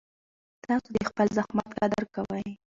تاسو د خپل زحمت قدر کوئ.